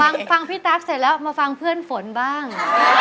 ฟังฟังพี่ตั๊กเสร็จแล้วมาฟังเพื่อนฝนบ้าง